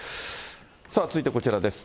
さあ、続いてこちらです。